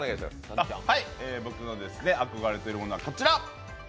僕の憧れているものはこちら。